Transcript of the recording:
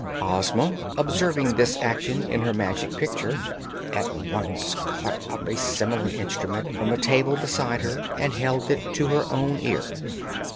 Ozma, observing this action in her Magic Picture, at once caught up a similar instrument from a table beside her and held it to her own ear.